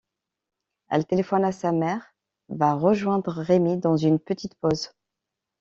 Elle téléphone à sa mère, va rejoindre Rémi dans une petite pause.